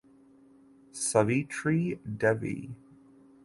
Savitri Devi.